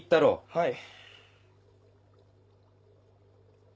はい。